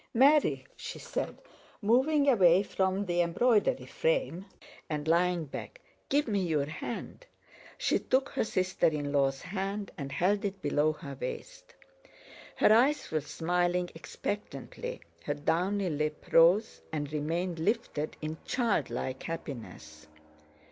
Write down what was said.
"Mary," she said, moving away from the embroidery frame and lying back, "give me your hand." She took her sister in law's hand and held it below her waist. Her eyes were smiling expectantly, her downy lip rose and remained lifted in childlike happiness.